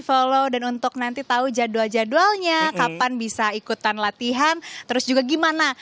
follow dan untuk nanti tahu jadwal jadwalnya kapan bisa ikutan latihan terus juga gimana